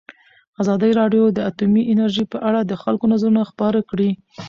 ازادي راډیو د اټومي انرژي په اړه د خلکو نظرونه خپاره کړي.